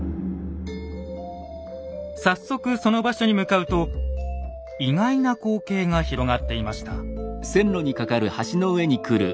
早速その場所に向かうと意外な光景が広がっていました。